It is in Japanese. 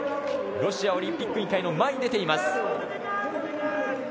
ロシアオリンピック委員会の前に出ています。